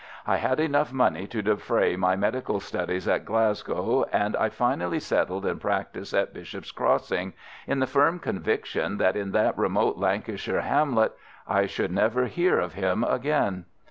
I had enough money to defray my medical studies at Glasgow, and I finally settled in practice at Bishop's Crossing, in the firm conviction that in that remote Lancashire hamlet I should never hear of him again.